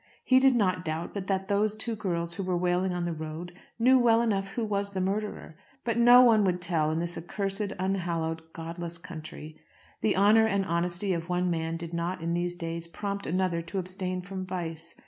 He did not doubt but that those two girls who were wailing on the road knew well enough who was the murderer, but no one would tell in this accursed, unhallowed, godless country. The honour and honesty of one man did not, in these days, prompt another to abstain from vice.